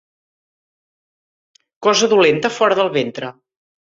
Cosa dolenta, fora del ventre.